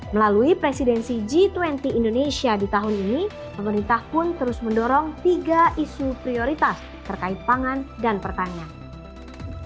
melalui presidensi g dua puluh indonesia di tahun ini pemerintah pun terus mendorong tiga isu prioritas terkait pangan dan pertanian